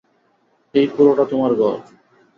এই পুরোটা তোমার ঘর।